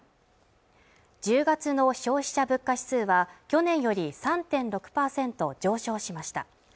１０月の消費者物価指数は去年より３．６％上昇しました